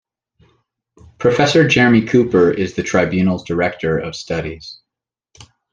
Professor Jeremy Cooper is the Tribunals Director of Studies.